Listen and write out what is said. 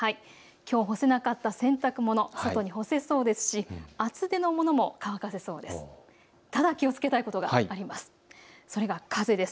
きょう干せなかった洗濯物、外に干せそうですし厚手のものも乾かせそうです。